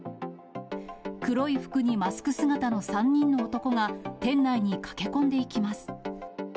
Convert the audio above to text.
黒い服にマスク姿の３人の男が、店内に駆け込んでいきます。